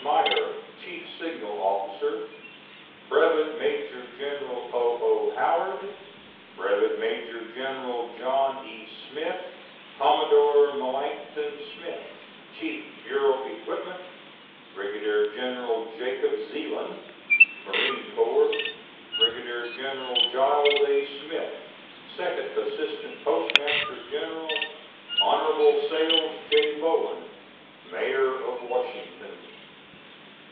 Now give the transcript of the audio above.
Myer, Chief Signal Officer; Brevet Major General O.O. Howard; Brevet Major General John E. Smith; Commodore Melancton Smith, Chief Bureau Equipment; Brigadier General Jacob Zeilin, Marine Corps; Brigadier General Giles A. Smith, Second Assistant Postmaster General; Hon. Sayles J. Bowen, mayor of Washington.